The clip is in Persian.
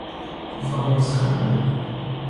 توفانی از خنده